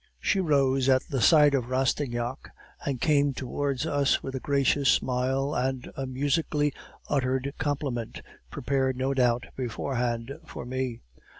She rose at the sight of Rastignac, and came towards us with a gracious smile and a musically uttered compliment, prepared no doubt beforehand, for me.